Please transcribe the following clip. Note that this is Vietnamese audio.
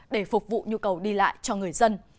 để phục vụ nhu cầu đi lại cho người dân